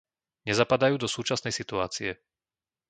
Nezapadajú do súčasnej situácie.